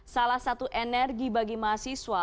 salah satu energi bagi mahasiswa